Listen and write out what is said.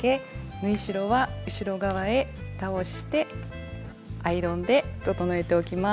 縫い代は後ろ側へ倒してアイロンで整えておきます。